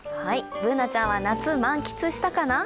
Ｂｏｏｎａちゃんは夏満喫したかな？